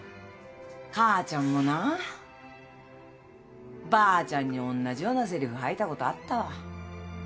母ちゃんもなばあちゃんにおんなじようなせりふ吐いたことあったわ。